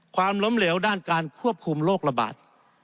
ความล้มเหลวด้านการควบคุมโรคระบาด